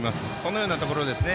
そのようなところですね。